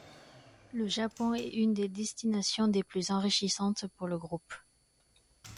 Le Japon est une des destinations des plus enrichissantes pour le groupe.